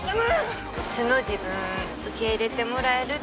素の自分受け入れてもらえるって自信ある？